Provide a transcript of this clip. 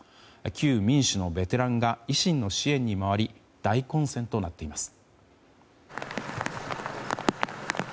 旧民主のベテランが維新の支援に回り大混戦となっています。